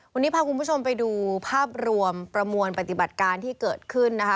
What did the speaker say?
วันนี้พาคุณผู้ชมไปดูภาพรวมประมวลปฏิบัติการที่เกิดขึ้นนะคะ